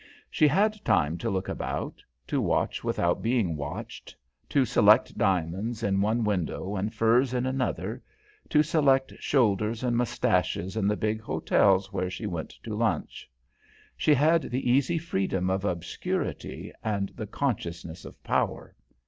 She had time to look about, to watch without being watched; to select diamonds in one window and furs in another, to select shoulders and moustaches in the big hotels where she went to lunch. She had the easy freedom of obscurity and the consciousness of power.